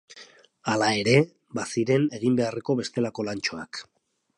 Hala ere, baziren egin beharreko bestelako lantxoak.